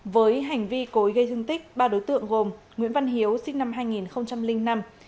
với hành vi cối gây thương tích ba đối tượng gồm nguyễn văn hiếu sinh năm hai nghìn năm